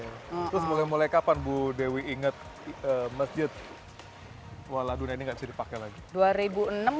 terus mulai mulai kapan bu dewi ingat masjid waladuna ini gak bisa dipakai lagi